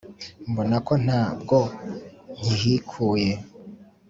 mbona ko ntabwo nkihikuye.